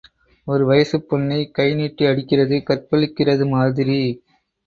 ஒரு வயசுப் பொண்ண கை நீட்டி அடிக்கிறது கற்பழிக்கிறது மாதிரி.